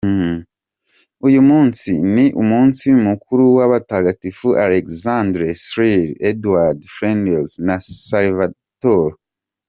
Uyu munsi ni umunsi mukuru w’abatagatifu Alexandre, Cyril, Edward, Fridanius na Salvator.